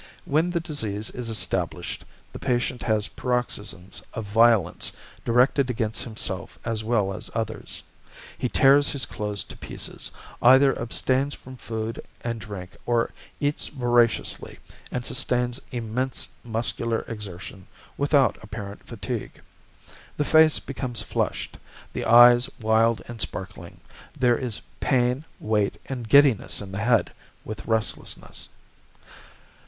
When the disease is established, the patient has paroxysms of violence directed against himself as well as others. He tears his clothes to pieces, either abstains from food and drink or eats voraciously, and sustains immense muscular exertion without apparent fatigue. The face becomes flushed, the eye wild and sparkling; there is pain, weight, and giddiness in the head, with restlessness.